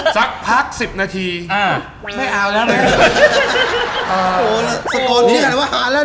สักพักสิบนาทีไม่อาวะแลนด์